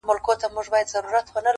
راباندي لاس دَ يوه ښکلي قلندر پروت ده